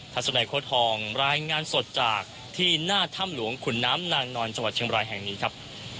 ัศนัยโค้ดทองรายงานสดจากที่หน้าถ้ำหลวงขุนน้ำนางนอนจังหวัดเชียงบรายแห่งนี้ครับ